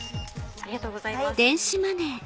ありがとうございます。